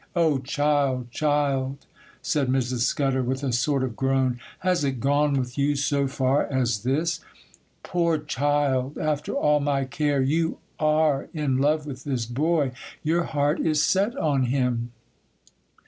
'Oh, child! child!' said Mrs. Scudder, with a sort of groan,—'has it gone with you so far as this? Poor child!—after all my care, you are in love with this boy,—your heart is set on him.